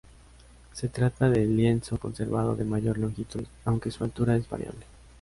Se trata del lienzo conservado de mayor longitud, aunque su altura es variable.